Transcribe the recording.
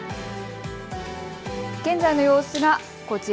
現在の様子がこちら。